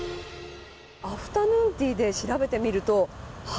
アフタヌーンティーで調べてみると＃